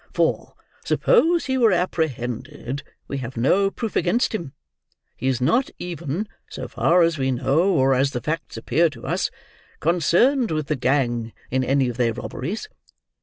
For, suppose he were apprehended, we have no proof against him. He is not even (so far as we know, or as the facts appear to us) concerned with the gang in any of their robberies.